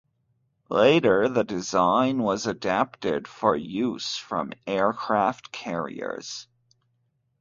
Later, the design was adapted for use from aircraft carriers.